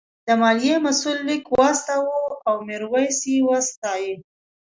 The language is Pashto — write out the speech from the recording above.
د مالیې مسوول لیک واستاوه او میرويس یې وستایه.